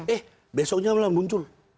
eh besoknya malah muncul